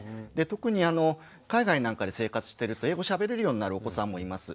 特に海外なんかで生活してると英語しゃべれるようになるお子さんもいます。